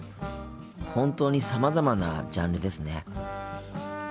本当にさまざまなジャンルですね。